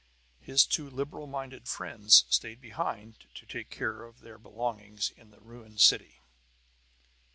His two liberal minded friends stayed behind to take care of their belongings in the ruined city.